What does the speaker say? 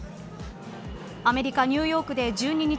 アメリカ、ニューヨークで１２日